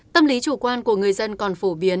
tâm lý chủ quan của người dân còn phổ biến